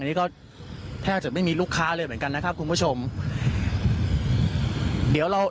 อันนี้ก็แทบจะไม่มีลูกค้าเลยเหมือนกันนะครับคุณผู้ชมเดี๋ยวเรา